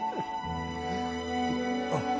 あっ。